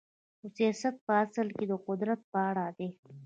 خو سیاست په اصل کې د قدرت په اړه دی.